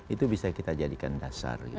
itu bisa kita jadikan dasar